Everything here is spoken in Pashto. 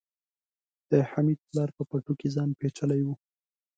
د حميد پلار په پټو کې ځان پيچلی و.